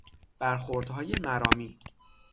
برخوردهای مرامی